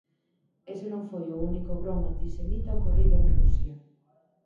Ese non foi o único gromo antisemita ocorrido en Rusia.